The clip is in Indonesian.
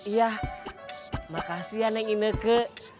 iya makasih ya neng ineke